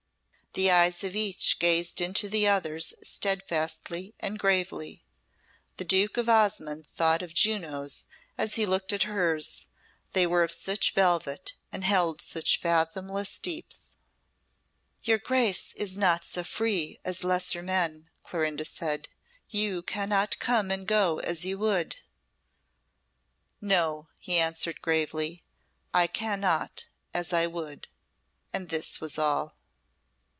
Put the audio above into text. The eyes of each gazed into the other's steadfastly and gravely. The Duke of Osmonde thought of Juno's as he looked at hers; they were of such velvet, and held such fathomless deeps. "Your Grace is not so free as lesser men," Clorinda said. "You cannot come and go as you would." "No," he answered gravely, "I cannot, as I would." And this was all.